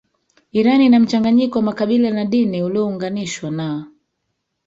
Iran ina mchanganyiko wa makabila na dini uliounganishwa na